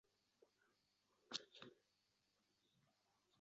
Ba’zida atayin ham bunday lahzalarni kadrga muhrlashning iloji yo‘q